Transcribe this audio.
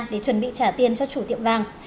để chuẩn bị trả tiền cho chủ tiệm vàng